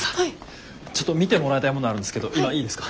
ちょっと見てもらいたいものあるんですけど今いいですか？